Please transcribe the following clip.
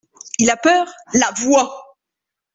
Il a peur ? LA VOIX.